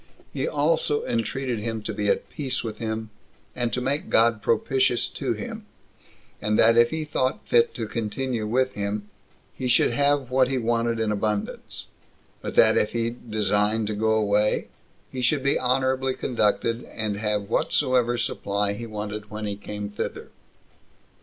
He also entreated him to be at peace with him, and to make God propitious to him; and that if he thought fit to continue with him, he should have what he wanted in abundance; but that if he designed to go away, he should be honorably conducted, and have whatsoever supply he wanted when he came thither.